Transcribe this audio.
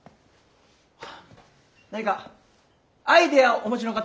何かアイデアをお持ちの方。